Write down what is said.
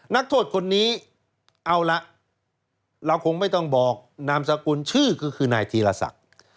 นักโทษคนนี้เอาละเราคงไม่ต้องบอกนามสกุลชื่อก็คือนายธีรศักดิ์